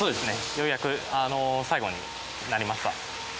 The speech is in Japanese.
ようやく最後になりました。